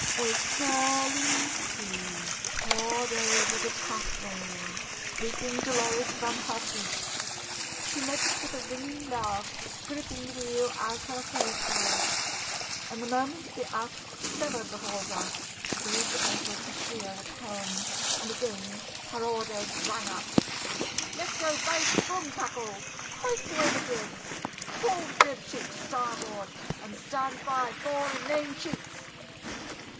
A curling sea poured over the taffrail, sweeping Dolores from her feet; she met it with a ringing laugh, gripping the wheel as her safeguard, and the moment the ax severed the hawser she gave the vessel a sheer with the helm, and again her orders rang out: "Let go both boom tackles! Hoist away the jib! Haul the jib sheet to starboard, and stand by fore and main sheets!"